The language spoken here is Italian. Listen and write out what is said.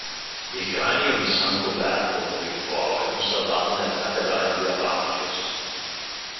Il cranio di Sant'Oberto con il foro è conservato nella cattedrale di Avranches.